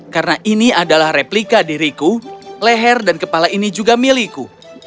karena ini adalah replika diriku leher dan kepala ini juga milikku